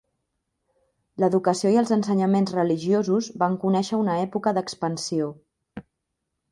L'educació i els ensenyaments religiosos van conèixer una època d'expansió.